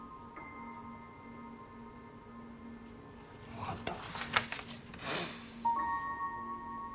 分かった。